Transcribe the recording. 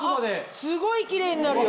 すごいキレイになるよ！